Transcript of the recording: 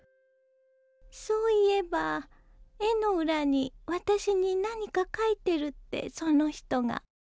そういえば絵の裏に私に何か書いてるってその人が。